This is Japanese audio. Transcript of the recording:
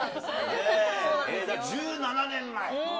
１７年前。